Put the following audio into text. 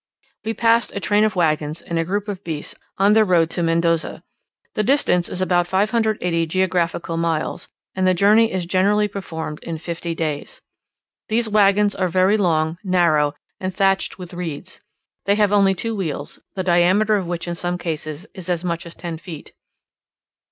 We passed a train of waggons and a troop of beasts on their road to Mendoza. The distance is about 580 geographical miles, and the journey is generally performed in fifty days. These waggons are very long, narrow, and thatched with reeds; they have only two wheels, the diameter of which in some cases is as much as ten feet.